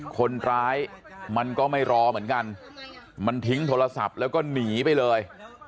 คนร้ายมันก็ไม่รอเหมือนกันมันทิ้งโทรศัพท์แล้วก็หนีไปเลย